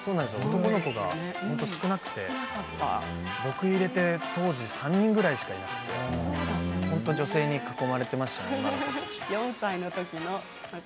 男の子が少なくて僕入れて当時３人ぐらいしかいなくて本当に女性に囲まれていますね。